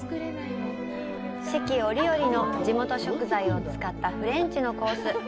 四季折々の地元食材を使ったフレンチのコース。